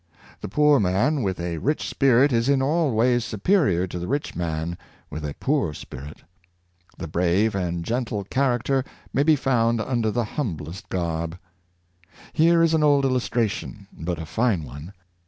The poor man with a rich spirit is in all ways superior to the rich man with a poor spirit. The brave and gentle character may be found under the humblest garb. Here is an old illustration, but a fine one.